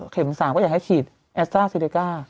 เข็มสารก็อยากให้ฉีดแอสโตรารักษ์ซีริการ์